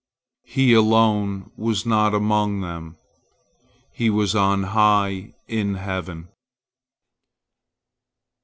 He alone was not among them; he was on high in heaven.